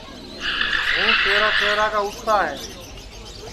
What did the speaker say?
ہوں سیورا سیورا کا اُٹھتا ہے